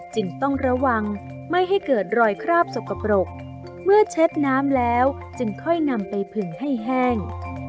จึงต้องระวังไม่ให้เกิดรอยคราบสกปรกเมื่อเช็ดน้ำแล้วจึงค่อยนำไปผึงให้แห้ง